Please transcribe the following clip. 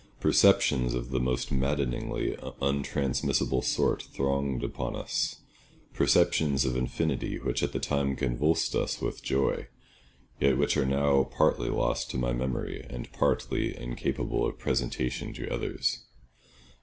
Perceptions of the most maddeningly untransmissible sort thronged upon us; perceptions of infinity which at the time convulsed us with joy, yet which are now partly lost to my memory and partly incapable of presentation to others.